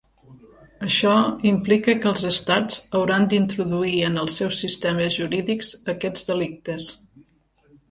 Això implica que els Estats hauran d'introduir en els seus sistemes jurídics aquests delictes.